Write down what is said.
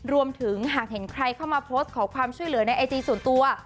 รวมถึงหากเห็นใครเข้ามาโพสต์ขอความช่วยเหลือในไอจีส่วนตัว